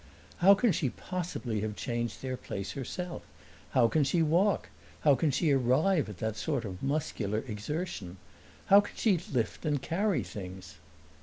"How can she possibly have changed their place herself? How can she walk? How can she arrive at that sort of muscular exertion? How can she lift and carry things?"